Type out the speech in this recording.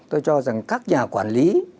tôi cho rằng các nhà quản lý